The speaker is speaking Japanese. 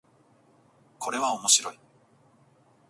これは面白い